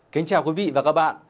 kính chào quý vị và các bạn